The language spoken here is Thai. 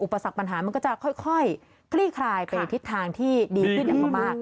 ปสรรคปัญหามันก็จะค่อยคลี่คลายไปทิศทางที่ดีขึ้นอย่างมาก